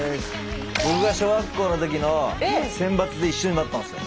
僕が小学校の時の選抜で一緒になったんすよ。